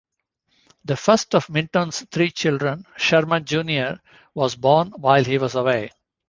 The first of Minton's three children, Sherman Junior was born while he was away.